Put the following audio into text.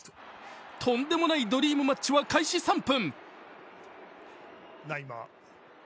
とんでもないドリームマッチは開始３分。